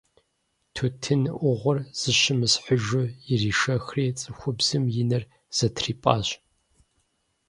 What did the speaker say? Тутын ӏугъуэр зыщымысхьыжу иришэхри, цӏыхубзым и нэр зэтрипӏащ.